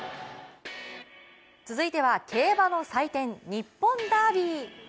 続いては競馬の祭典日本ダービー。